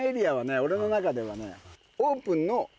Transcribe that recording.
俺の中ではね。